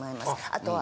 あとは。